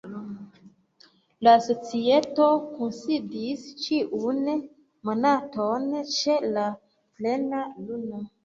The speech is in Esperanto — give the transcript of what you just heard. La Societo kunsidis ĉiun monaton ĉe la plena luno.